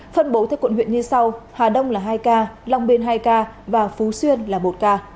phân bố theo quận huyện như sau hà đông là hai ca long biên hai ca và phú xuyên là một ca